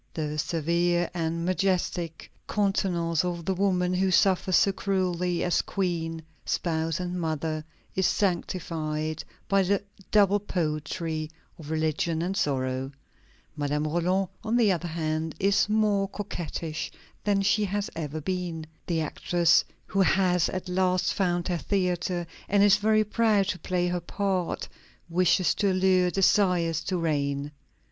The severe and majestic countenance of the woman who suffers so cruelly as queen, spouse, and mother, is sanctified by the double poetry of religion and sorrow. Madame Roland, on the other hand, is more coquettish than she has ever been. The actress who has at last found her theatre and is very proud to play her part, wishes to allure, desires to reign.